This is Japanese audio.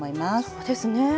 そうですね！